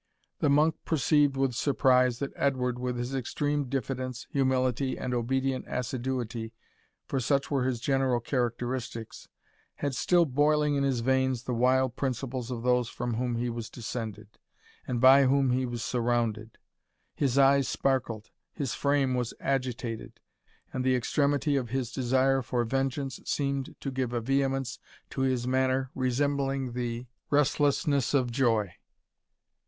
The monk perceived with surprise, that Edward, with his extreme diffidence, humility, and obedient assiduity, for such were his general characteristics, had still boiling in his veins the wild principles of those from whom he was descended, and by whom he was surrounded. His eyes sparkled, his frame was agitated, and the extremity of his desire for vengeance seemed to give a vehemence to his manner resembling the restlessness of joy.